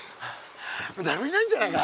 だれもいないんじゃないか？